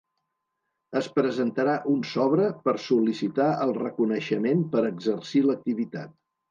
Es presentarà un sobre per sol·licitar el reconeixement per exercir l'activitat.